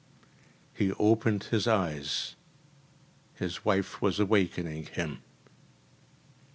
‚ÄĚ He opened his eyes his wife was awakening him.